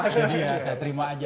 jadi ya saya terima aja